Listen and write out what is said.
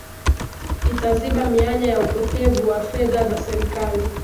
Itaziba mianya ya upotevu wa fedha za Serikali